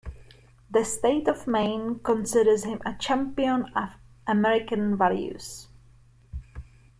The state of Maine considers him a champion of American values.